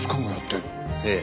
ええ。